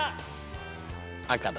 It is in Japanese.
赤だ。